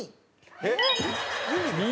えっ？